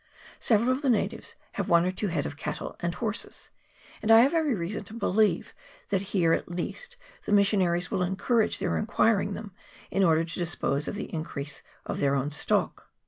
Several of the natives have one or two head of cattle and horses ; and I have every reason to believe that here at least the missionaries will encourage their acquiring them, in order to dispose of the increase of their own stock.